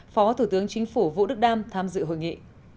phó thủ tướng chính phủ vũ đức đam tham dự hội nghị